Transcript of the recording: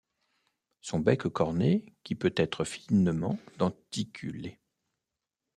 Son bec corné qui peut être finement denticulé.